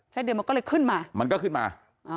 ไส้เดือนมันก็เลยขึ้นมามันก็ขึ้นมาอ๋อ